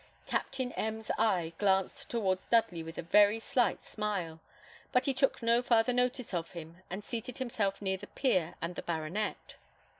Captain M 's eye glanced towards Dudley with a very slight smile, but he took no farther notice of him, and seated himself near the peer and the baronet.